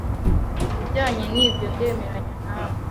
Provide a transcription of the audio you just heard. Kubijyanye nibyo, ndemeranya nawe.